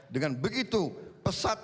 dengan begitu pesat